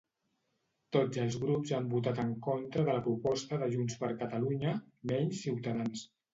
Tots els grups han votat en contra de la proposta de JxCat, menys Cs.